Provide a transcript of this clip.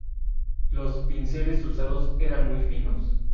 Los pinceles usados eran muy finos.